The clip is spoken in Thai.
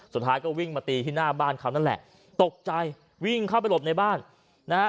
สุดท้ายก็วิ่งมาตีที่หน้าบ้านเขานั่นแหละตกใจวิ่งเข้าไปหลบในบ้านนะฮะ